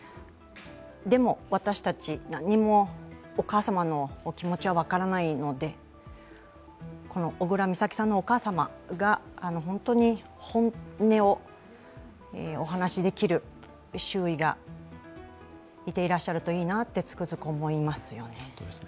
でも、私たち、何もお母様のお気持ちは分からないのでこの小倉美咲さんのお母様が本音をお話しできる周囲がいていらっしゃるといいなとつくづく思いますよね。